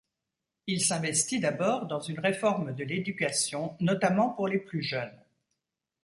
Il s'investit d'abord dans une réforme de l'éducation notamment pour les plus jeunes.